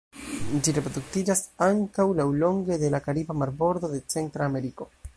Ĝi reproduktiĝas ankaŭ laŭlonge de la kariba marbordo de Centra Ameriko.